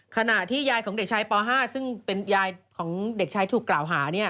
ขณะที่ยายของเด็กชายป๕ซึ่งเป็นยายของเด็กชายถูกกล่าวหา